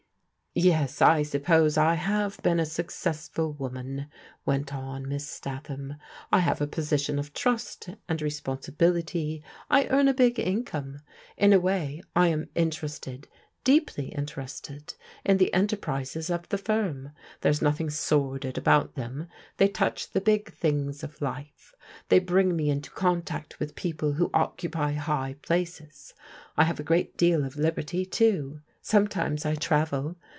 "Yes, I suppose I have been a successful woman," went on Miss Statham. " I have a position of trust and responsibility; I earn a big income. In a way I am in terested, deeply interested, in the enterprises of the firm. There is nothing sordid about them, they touch the big things of life ; they bring me into contact with people who occupy high places. I have a great deal of liberty, too. Sometimes I travel.